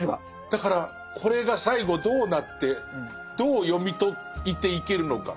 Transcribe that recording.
だからこれが最後どうなってどう読み解いていけるのか。